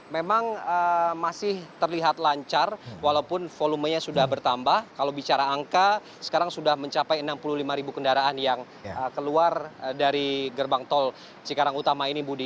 memang masih terlihat lancar walaupun volumenya sudah bertambah kalau bicara angka sekarang sudah mencapai enam puluh lima ribu kendaraan yang keluar dari gerbang tol cikarang utama ini budi